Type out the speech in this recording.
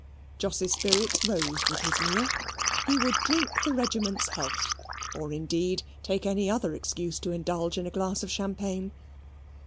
Jos's spirits rose with his meal. He would drink the regiment's health; or, indeed, take any other excuse to indulge in a glass of champagne.